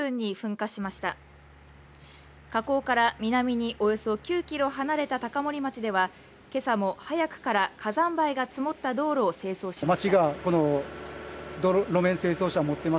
火口から南におよそ９ｋｍ離れた高森町では、今朝も早くから火山灰が積もった道路を清掃しました。